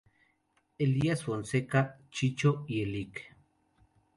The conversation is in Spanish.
Elías Fonseca Chicho y el Lic.